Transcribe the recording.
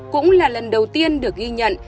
cũng là lần đầu tiên được ghi nhận